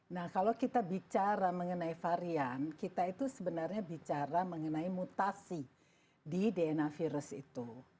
nah kalau kita bicara mengenai varian kita itu sebenarnya bicara mengenai mutasi di dna virus itu